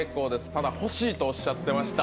ただ、欲しいとおっしゃっていました。